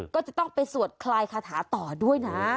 ก็จะต้องไปสวดคลายคาถาต่อด้วยนะ